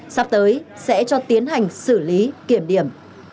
sắp tới sẽ cho tiến hành xử lý kiểm điểm